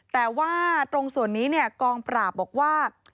แต่ว่าตรงส่วนนี้กองปราปบอกว่า